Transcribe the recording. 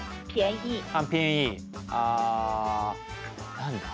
何だ？